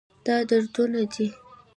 دا دروند دی